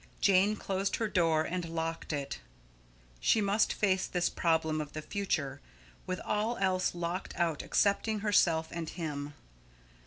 Jane closed her door and locked it. She must face this problem of the future, with all else locked out excepting herself and him.